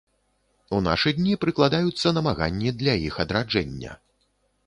У нашы дні прыкладаюцца намаганні для іх адраджэння.